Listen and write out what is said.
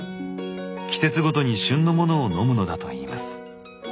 季節ごとに旬のものを飲むのだといいます。